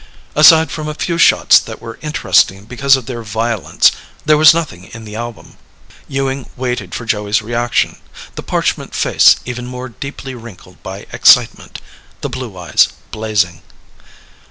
Aside from a few shots that were interesting because of their violence, there was nothing in the album. Ewing waited for Joey's reaction the parchment face even more deeply wrinkled by excitement the blue eyes blazing.